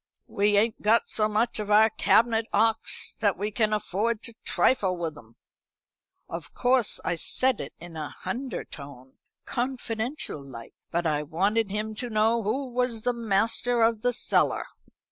We ain't got so much of our cabinet 'ocks that we can afford to trifle with 'em.' Of course I said it in a hundertone, confidential like; but I wanted him to know who was master of the cellar."